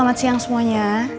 selamat siang semuanya